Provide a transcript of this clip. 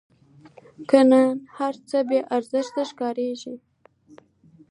که نن هرڅه بې آزاره در ښکاریږي